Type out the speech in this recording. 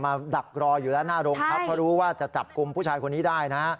ดักรออยู่แล้วหน้าโรงพักเพราะรู้ว่าจะจับกลุ่มผู้ชายคนนี้ได้นะ